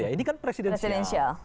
ini kan presidensial